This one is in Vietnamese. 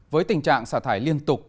với tình trạng xả thải liên tục